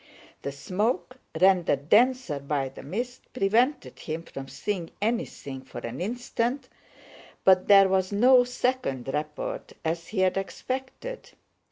The smoke, rendered denser by the mist, prevented him from seeing anything for an instant, but there was no second report as he had expected.